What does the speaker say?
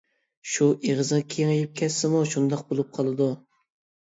شۇ ئېغىزى كېڭىيىپ كەتسىمۇ شۇنداق بولۇپ قالىدۇ.